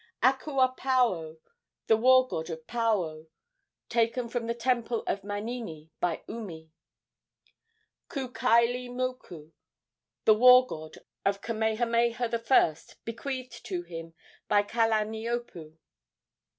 ] Akuapaao, the war god of Paao, taken from the temple of Manini by Umi. Ku kaili moku, the war god of Kamehameha I., bequeathed to him by Kalaniopuu.